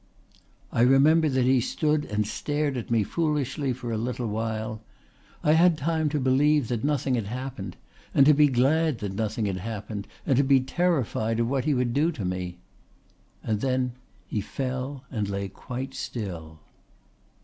"I remember that he stood and stared at me foolishly for a little while. I had time to believe that nothing had happened, and to be glad that nothing had happened and to be terrified of what he would do to me. And then he fell and lay quite still."